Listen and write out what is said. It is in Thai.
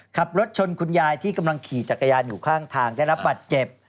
ขับรถชนคุณยายที่กำลังขี่จักรยานอยู่ข้างทางได้รับบัตรเจ็บ